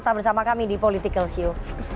tetap bersama kami di politikalsio